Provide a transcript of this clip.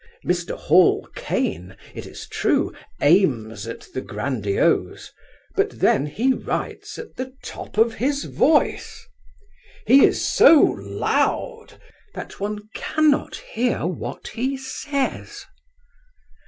Mr. Hall Caine, it is true, aims at the grandiose, but then he writes at the top of his voice. He is so loud that one cannot bear what he says.